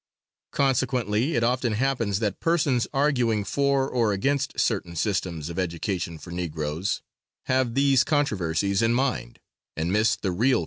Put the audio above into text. Consequently it often happens that persons arguing for or against certain systems of education for Negroes, have these controversies in mind and miss the real question at issue.